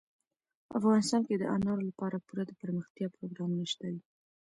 افغانستان کې د انارو لپاره پوره دپرمختیا پروګرامونه شته دي.